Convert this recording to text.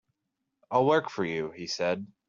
"I'll work for you," he said.